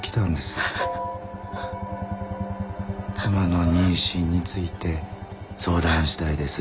「妻の妊娠について相談したいです」